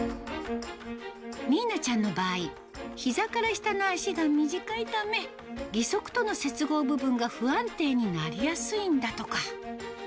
ニーナちゃんの場合、ひざから下の脚が短いため、義足との接合部分が不安定になりやすいんだとか。